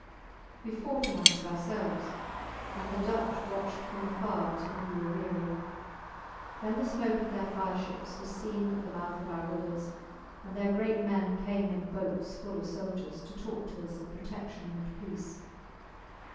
We fought amongst ourselves, and the Dutch watched from afar till we were weary. Then the smoke of their fire ships was seen at the mouth of our rivers, and their great men came in boats full of soldiers to talk to us of protection and peace.